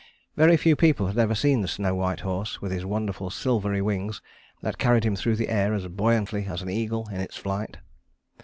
Very few people had ever seen the snow white horse, with his wonderful silvery wings that carried him through the air as buoyantly as an eagle in its flight.